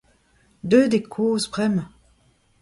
Deuet eo kozh bremañ.